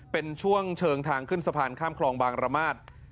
เป็นช่วงเชิงทางขึ้นสะพานข้ามคลองบางระมาท